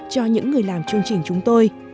cho những người làm chương trình chúng tôi